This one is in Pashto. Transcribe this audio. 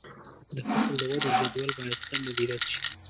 د فصل د ودې جدول باید سم مدیریت شي.